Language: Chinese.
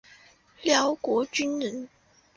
辽国军人。